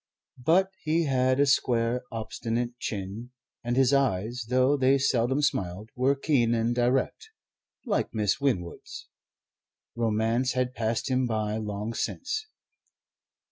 But he had a square, obstinate chin, and his eyes, though they seldom smiled, were keen and direct, like Miss Winwood's. Romance had passed him by long since.